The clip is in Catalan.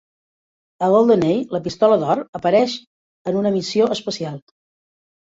A "Golden Eye", la pistola d'or apareix en una missió especial.